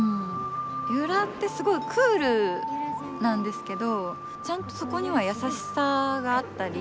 由良ってすごいクールなんですけどちゃんとそこには優しさがあったり